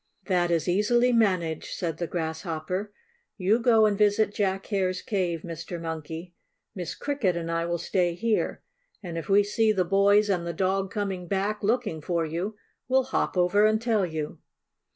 "That is easily managed," said the Grasshopper. "You go and visit Jack Hare's cave, Mr. Monkey. Miss Cricket and I will stay here, and if we see the boys and the dog coming back, looking for you, we'll hop over and tell you."